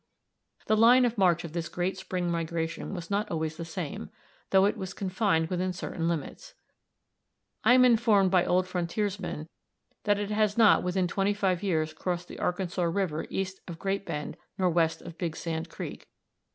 "The line of march of this great spring migration was not always the same, though it was confined within certain limits. I am informed by old frontiersmen that it has not within twenty five years crossed the Arkansas River east of Great Bend nor west of Big Sand Creek.